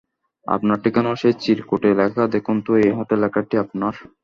আপনার ঠিকানাও সেই চিরকুটে লেখা দেখুন তো এই হাতের লেখাটি আপনার?